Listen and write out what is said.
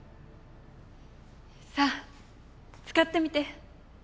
さあ使ってみて！